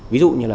ví dụ như là